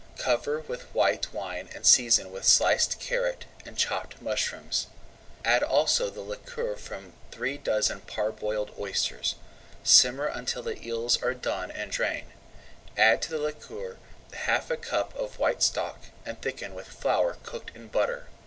Cover with white wine and season with sliced carrot and chopped mushrooms. Add also the liquor from three dozen parboiled oysters. Simmer until the eels are done and drain. Add to the liquor half a cupful of white stock, and thicken with flour cooked in butter.